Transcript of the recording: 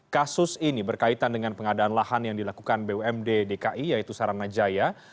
kasus ini berkaitan dengan pengadaan lahan yang dilakukan bumd dki yaitu saranajaya